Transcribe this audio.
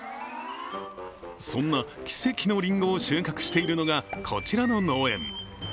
そんな奇跡のりんごを収穫しているのが、こちらの農園。